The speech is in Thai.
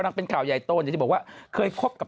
เมื่อกี้เซียธอปนุนไหวไหมฮะ